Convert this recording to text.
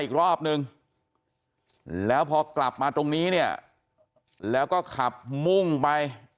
อีกรอบนึงแล้วพอกลับมาตรงนี้เนี่ยแล้วก็ขับมุ่งไป